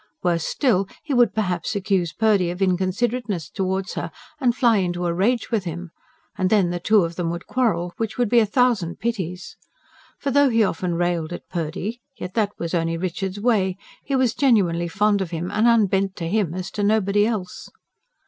Worse still, he would perhaps accuse Purdy of inconsiderateness towards her, and fly into a rage with him; and then the two of them would quarrel, which would be a thousand pities. For though he often railed at Purdy, yet that was only Richard's way: he was genuinely fond of him, and unbent to him as to nobody else.